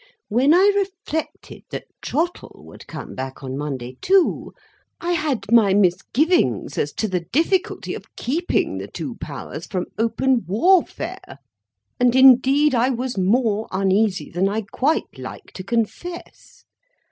When I reflected that Trottle would come back on Monday, too, I had my misgivings as to the difficulty of keeping the two powers from open warfare, and indeed I was more uneasy than I quite like to confess.